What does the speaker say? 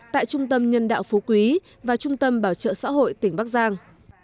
tại trung tâm nhân đạo phú quý và trung tâm bảo trợ xã hội tỉnh bắc giang